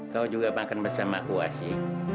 kau juga makan bersama aku asyik